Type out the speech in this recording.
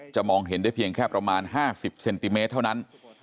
มองเห็นได้เพียงแค่ประมาณ๕๐เซนติเมตรเท่านั้น